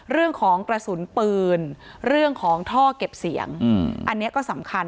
เรื่องของกระสุนปืนเรื่องของท่อเก็บเสียงอันนี้ก็สำคัญ